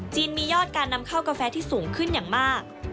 มียอดการนำเข้ากาแฟที่สูงขึ้นอย่างมาก